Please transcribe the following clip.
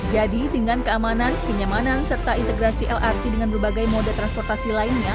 jadi dengan keamanan kenyamanan serta integrasi lrt dengan berbagai moda transportasi lainnya